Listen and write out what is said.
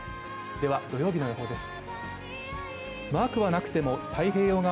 では土曜日の予報です。